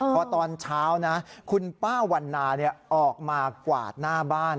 พอตอนเช้านะคุณป้าวันนาออกมากวาดหน้าบ้าน